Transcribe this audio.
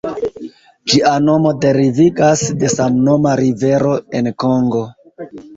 Ĝia nomo deriviĝas de samnoma rivero en Kongo.